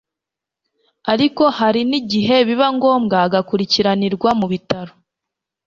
ariko hari n'igihe biba ngombwa agakurikiranirwa mu bitaro,